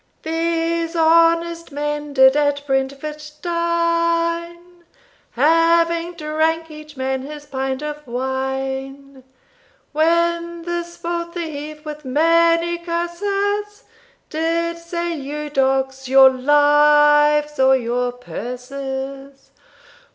"These honest men did at Brentford dine, Having drank each man his pint of wine, When this bold thief, with many curses, Did say, You dogs, your lives or purses.